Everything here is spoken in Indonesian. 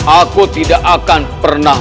aku tidak akan pernah